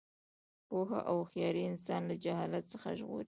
پوهه او هوښیاري انسان له جهالت څخه ژغوري.